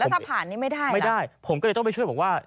ถ้าผ่านนี้ไม่ได้ไม่ได้ผมก็เลยต้องไปช่วยบอกว่า